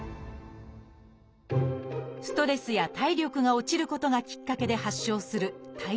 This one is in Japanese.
ストレスや体力が落ちることがきっかけで発症する帯状疱疹。